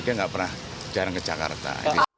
dia nggak pernah jarang ke jakarta